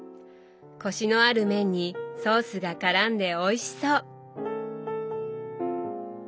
コシのある麺にソースがからんでおいしそう！